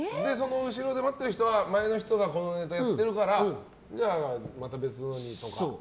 後ろで待ってる人は前の人がこのネタやってるからじゃあ、また別のにとか。